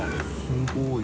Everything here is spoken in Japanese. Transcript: すごい。